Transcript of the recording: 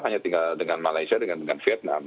hanya tinggal dengan malaysia dengan vietnam